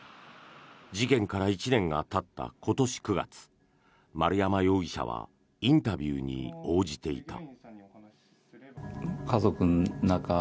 事件から１年がたった今年９月丸山容疑者はインタビューに応じていた。